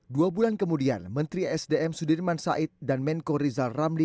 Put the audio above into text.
dua bulan kemudian menteri sdm sudirman said dan menko rizal ramli